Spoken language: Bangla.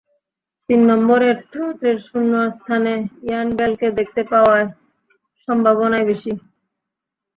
তিন নম্বরে ট্রটের শূন্য স্থানে ইয়ান বেলকে দেখতে পাওয়ার সম্ভাবনাই বেশি।